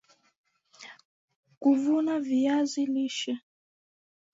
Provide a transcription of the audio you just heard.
kuvuna viazi lishe